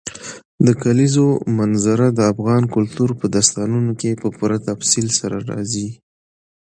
د کلیزو منظره د افغان کلتور په داستانونو کې په پوره تفصیل سره راځي.